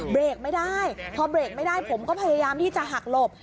เบรกไม่ได้พอเบรกไม่ได้ผมก็พยายามที่จะหักหลบ